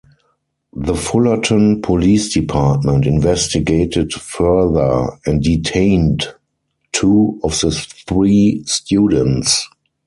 The Fullerton Police Department investigated further and detained two of the three students.